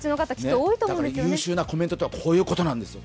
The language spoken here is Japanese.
だから、優秀なコメントというのはこういうことですよ。